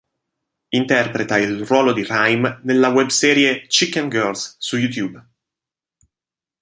Interpreta il ruolo di Rhyme nella webserie "Chicken Girls" su YouTube.